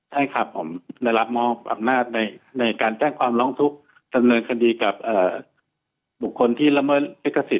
ใช่ครับผมได้รับมอบอำนาจในการแจ้งความร้องทุกข์ดำเนินคดีกับบุคคลที่ละเมิดลิขสิท